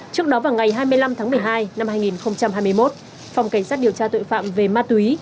trước đó vào ngày hai mươi năm tháng một mươi hai năm hai nghìn hai mươi một phòng cảnh sát điều tra tội phạm về ma túy